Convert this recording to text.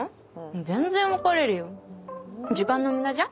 全然別れるよ時間の無駄じゃん。